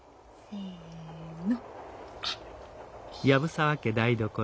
せの。